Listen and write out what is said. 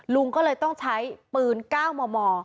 ลุงก็เลยต้องใช้ปืนก้าวหม่อ